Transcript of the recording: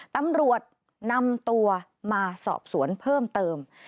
ตำรวจนำตัวมาสอบสวนเพิ่มเติม